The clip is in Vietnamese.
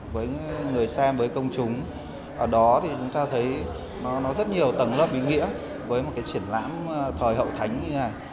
với người xem với công chúng ở đó thì chúng ta thấy nó rất nhiều tầng lớp ý nghĩa với một cái triển lãm thời hậu thánh như thế này